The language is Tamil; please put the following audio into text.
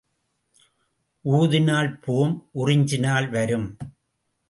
ஊதினால் போம் உறிஞ்சினால் வரும்.